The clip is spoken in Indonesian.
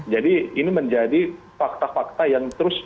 jadi ini menjadi fakta fakta yang terus